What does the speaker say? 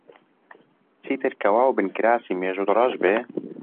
چیتر کەوا و بنکراسی مێژووت ڕەش بێ؟